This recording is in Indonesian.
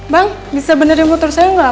bang bisa bener yang muter saya atau nggak